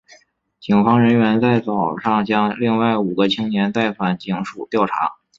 警方人员在早上将另外五个青年带返警署调查。